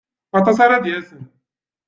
Aṭas ara d-yasen.